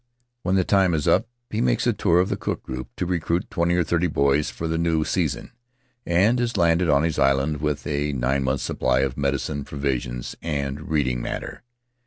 When the time is up he makes a tour of the Cook group to recruit twenty or thirty boys for the new season, and is landed on his island with a nine months' supply of medicine, provisions, and reading matter.